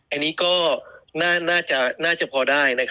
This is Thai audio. อันนี้ก็น่าจะน่าจะพอได้